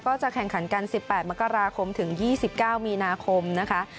จะแข่งขันกัน๑๘มกราคมถึง๒๙มีนาคมนะคะ